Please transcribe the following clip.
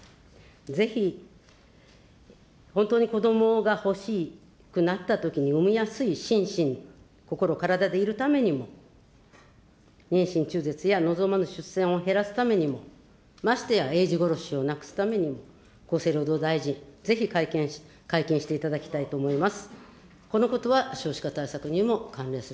ぜひ本当に子どもが欲しくなったときに、産みやすい心身、心、体でいるためにも、妊娠中絶や望まぬ出産を減らすためにも、ましてやえい児殺しをなくすためにも、厚生労働大臣、ぜひ、会見していただきたいと思います。